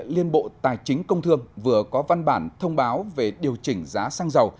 liên bộ tài chính công thương vừa có văn bản thông báo về điều chỉnh giá xăng dầu